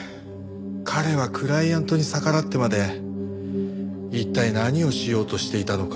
彼はクライアントに逆らってまで一体何をしようとしていたのか。